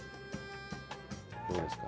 どうですか？